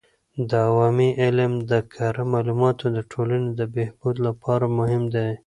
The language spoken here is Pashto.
د عوامي علم د کره معلوماتو د ټولنې د بهبود لپاره مهم دی.